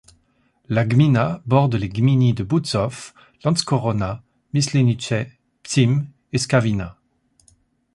La gmina borde les gminy de Budzów, Lanckorona, Myślenice, Pcim et Skawina.